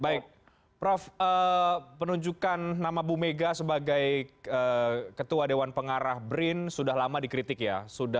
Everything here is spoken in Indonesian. baik prof penunjukan nama bu mega sebagai ketua dewan pengarah brin sudah lama dikritik ya